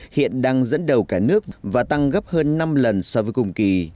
hiện đang dẫn đầu cả nước và tăng gấp hơn năm lần so với cùng kỳ